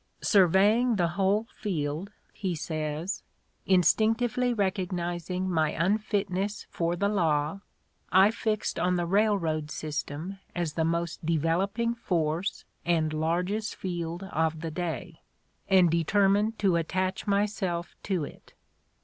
"Survey ing the whole field," he says, "instinctively recognizing my unfitness for the law, I fixed on the railroad system as the most developing force and largest field of the day, and determined to attach myself to it."